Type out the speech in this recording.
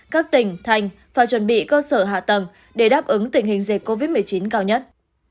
các tỉnh thành phải chuẩn bị cơ sở hạ tầng để đáp ứng tình hình dịch covid một mươi chín cao nhất